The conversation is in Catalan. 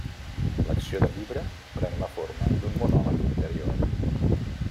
L'acció del llibre pren la forma d'un monòleg interior.